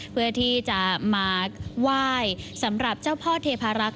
เพื่อที่จะมาไหว้สำหรับเจ้าพ่อเทพารักษ